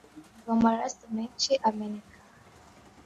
ngo amaraso menshi ameneke aha